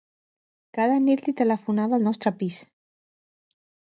Cada nit li telefonava al nostre pis.